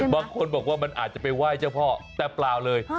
บางคนบอกว่ามันอาจจะไปไหว้เจ้าพ่อแต่เปล่าเลย